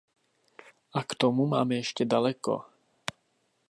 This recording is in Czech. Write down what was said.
A k tomu máme ještě daleko.